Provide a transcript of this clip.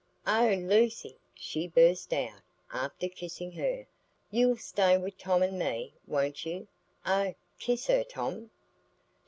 "Oh, Lucy," she burst out, after kissing her, "you'll stay with Tom and me, won't you? Oh, kiss her, Tom."